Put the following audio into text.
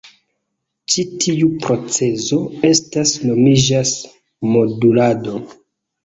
Ĉi tiu procezo estas nomiĝas "modulado.